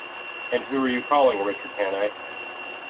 And who are you calling Richard Hannay?